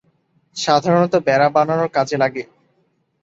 সাধারণত বেড়া বানানোর কাজে লাগে।